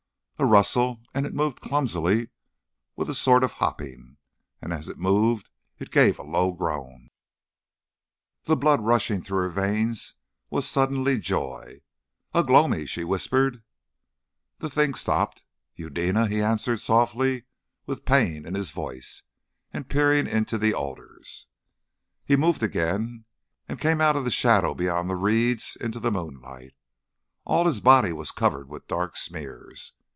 A rustle, and it moved clumsily, with a sort of hopping. And as it moved it gave a low groan. The blood rushing through her veins was suddenly joy. "Ugh lomi!" she whispered. The thing stopped. "Eudena," he answered softly with pain in his voice, and peering into the alders. He moved again, and came out of the shadow beyond the reeds into the moonlight. All his body was covered with dark smears.